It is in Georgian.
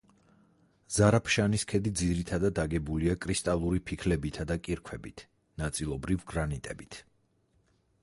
ზარაფშანის ქედი ძირითადად აგებულია კრისტალური ფიქლებითა და კირქვებით, ნაწილობრივ, გრანიტებით.